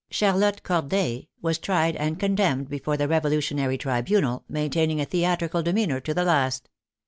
Charlotte Corday was tried and condemned before the revolutionary tribunal, maintaining a theatrical demeanor to the last.